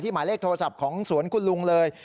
หมายเลขโทรศัพท์ของสวนคุณลุงเลย